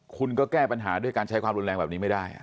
คุณก็แก้ปัญหาด้วยการใช้ความรุนแรงแบบนี้ไม่ได้